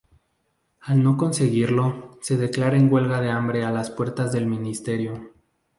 Al no conseguirlo, se declara en huelga de hambre a las puertas del Ministerio.